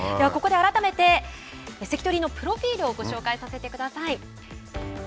ここで改めて関取のプロフィールをご紹介させてください。